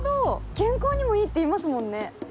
健康にもいいっていいますもんね！